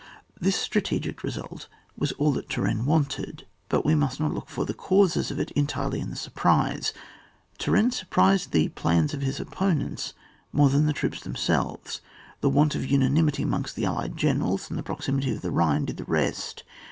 This strategic result was all that Turenne wanted, but we must not look for the causes of it en tirely in the surprise. Turenne sur prised the plans of his opponents more than the troops themselves ; the want of unanimity amongst the allied generals and the proximity of the Hhine did the rest.